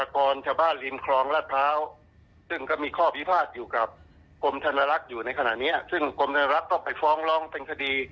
กรมธนลักษณ์อยู่ในขณะนี้ซึ่งกรมธนลักษณ์ก็ไปฟ้องลองเป็นคดี